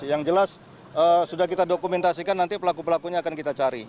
yang jelas sudah kita dokumentasikan nanti pelaku pelakunya akan kita cari